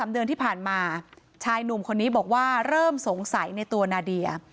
เดือนที่ผ่านมาชายหนุ่มคนนี้บอกว่าเริ่มสงสัยในตัวนาเดีย